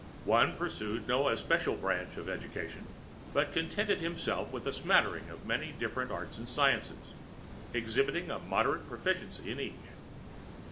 One pursued no Especial Branch of Education, but Contented himself with a Smattering of many different Arts and Sciences, exhibiting a Moderate Proficiency in Each.